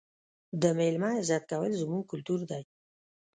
د مېلمه عزت کول زموږ کلتور دی.